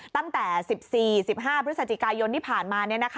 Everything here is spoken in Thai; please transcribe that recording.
ตั้งแต่๑๔๑๕พฤศจิกายนที่ผ่านมา